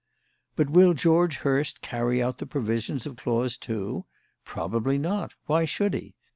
"But will George Hurst carry out the provisions of clause two? Probably not. Why should he?